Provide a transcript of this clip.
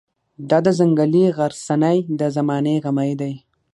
دا د ځنګلي غرڅنۍ د زمانې غمی دی.